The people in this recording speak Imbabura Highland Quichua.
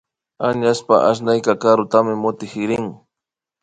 Añashpa asnayka karutami mutkirin